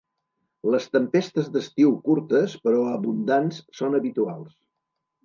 Les tempestes d'estiu curtes, però abundants, són habituals.